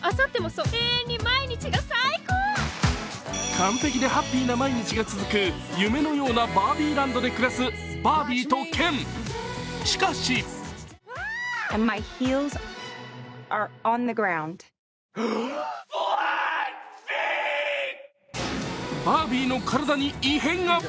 完璧でハッピーな毎日が続く夢のようなバービーランドで暮らすバービーとケン、しかしバービーの体に異変が。